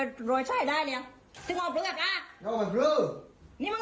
นี่หนูไม่เข้าหวังใช่นี่ไม่ใช่ว่าว่ามันเฮียได้ไม่ใช่ต้องหวังนี่นี่ต้อง